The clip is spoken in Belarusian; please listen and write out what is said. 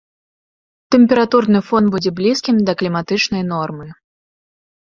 Тэмпературны фон будзе блізкім да кліматычнай нормы.